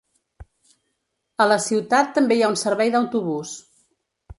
A la ciutat també hi ha un servei d'autobús.